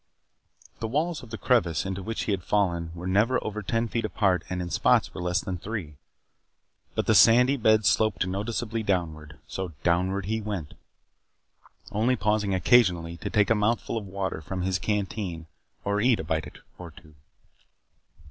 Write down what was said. The walls of the crevice into which he had fallen were never over ten feet apart and in spots were less than three. But the sandy bed sloped noticeably downward, so downward he went. Only pausing occasionally to take a mouthful of water from his canteen or eat a bite or two.